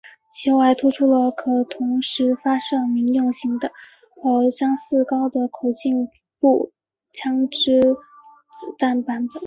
其后还推出了可同时发射民用型的和相似高的口径步枪子弹版本。